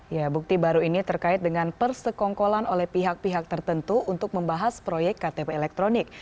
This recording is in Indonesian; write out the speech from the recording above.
ya bukti baru ini terkait dengan persekongkolan oleh pihak pihak tertentu untuk membahas proyek ktp elektronik